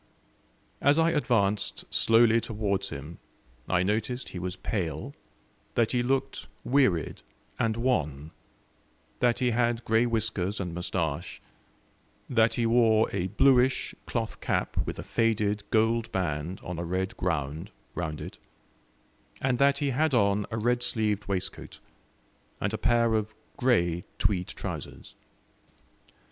As I advanced slowly towards him I noticed he was pale, that he looked wearied and wan, that he had grey whiskers and moustache, that he wore a bluish cloth cap with a faded gold band on a red ground round it, and that he had on a red sleeved waistcoat, and a pair of grey tweed trousers.